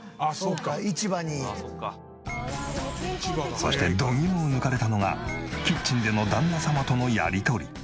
そして度肝を抜かれたのがキッチンでの旦那様とのやり取り。